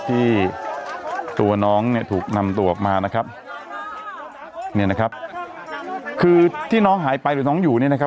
ที่ตัวน้องเนี่ยถูกนำตัวออกมานะครับเนี่ยนะครับคือที่น้องหายไปหรือน้องอยู่เนี่ยนะครับ